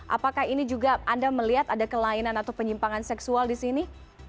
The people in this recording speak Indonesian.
apakah ini juga anda melihat ada kelainan atau penyimpangan seksual di sini